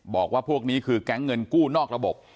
บอกว่าพวกนี้คือแก๊งเงินกู้นอกระบบ